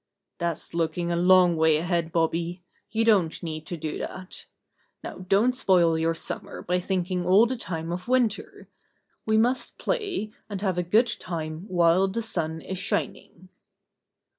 "That's looking a long way ahead, Bobby. You don't need to do that. Now don't spoil your summer by thinking all the time of win ter. We must play and have a good time while the sun is shining."